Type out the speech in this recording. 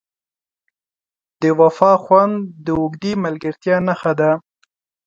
د وفا خوند د اوږدې ملګرتیا نښه ده.